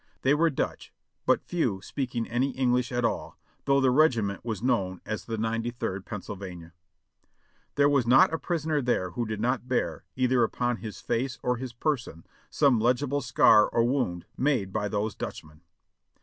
They w^ere Dutch, but few speaking any English at all, though the regiment was known as the Ninety third Pennsylvania. There Avas not a prisoner there who did not bear, either upon his face or his person, some legible scar or wound made by those Dutchmen.